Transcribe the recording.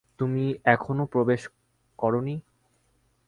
তুমি এখনো প্রবেশ করনি?